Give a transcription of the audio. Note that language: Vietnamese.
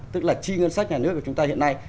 tức là chi ngân sách nhà nước của chúng ta hiện nay